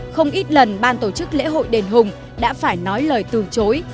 không ít lần ban tổ chức lễ hội đền hùng đã phải nói lời từ chối